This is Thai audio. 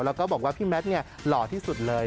แล้วก็บอกว่าพี่แมทหล่อที่สุดเลย